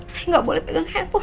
saya nggak boleh pegang handphone